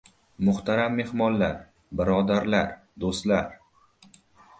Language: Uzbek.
Muhtaram mehmonlar, birodarlar, do‘stlar!